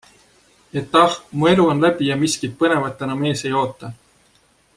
Et ah, mu elu on läbi ja miskit põnevat enam ees ei oota.